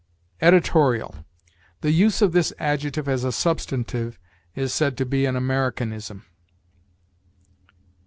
EDITORIAL. The use of this adjective as a substantive is said to be an Americanism.